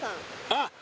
あっ。